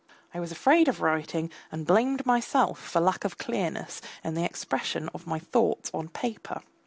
I was afraid of writing, and blamed myself for lack of clearness in the expression of my thoughts on paper.